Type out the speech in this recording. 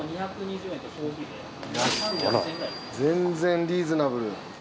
全然リーズナブル。